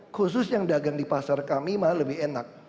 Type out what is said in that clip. khusus yang dagang di pasar kami malah lebih enak